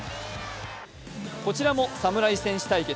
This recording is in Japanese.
こちらも侍戦士対決。